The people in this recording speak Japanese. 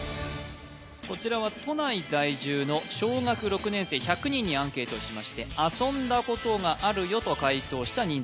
こちらは都内在住の小学６年生１００人にアンケートしまして遊んだことがあるよと回答した人数です